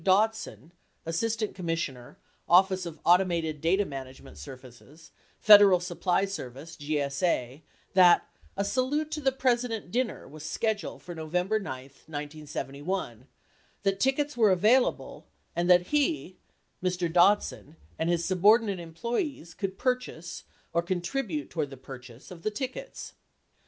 Dodson, Assistant Com missioner, Office of Automated Data Management Services, Federal Supply Service, GSA, that a "Salute to the Presi dent Dinner" was scheduled for November 9, 1971, that tickets were available, and that he (Mr. Dodson) and his subordinate employees could purchase, or contribute toward the purchase, of the tickets.